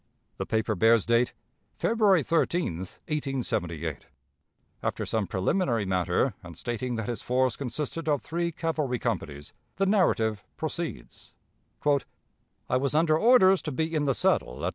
The paper bears date February 13, 1878. After some preliminary matter, and stating that his force consisted of three cavalry companies, the narrative proceeds: "I was under orders to be in the saddle at 6.